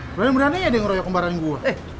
banyak beraninya dia ngerayok kembaran gue